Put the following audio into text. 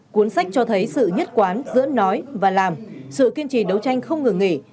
cuốn sách cho thấy sự nhất quán giữa nói và làm sự kiên trì đấu tranh không ngừng nghỉ